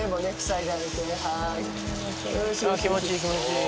気持ちいい気持ちいい。